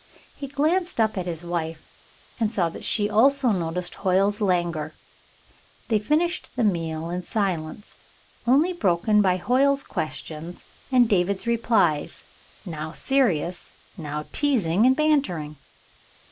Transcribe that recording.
He glanced up at his wife and saw that she also noticed Hoyle's languor. They finished the meal in a silence only broken by Hoyle's questions and David's replies, now serious, now teasing and bantering.